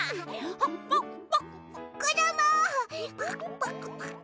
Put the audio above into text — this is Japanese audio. パクパク。